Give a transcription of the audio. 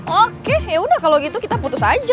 oke ya udah kalo gitu kita putus aja